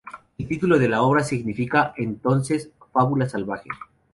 El título de la obra significa entonces "fábula salvaje".